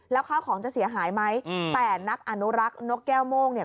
แล้วข้าวของจะเสียหายไหมแต่นักอนุรักษ์นกแก้วโม่งเนี่ย